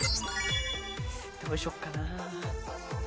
どうしようかなあ。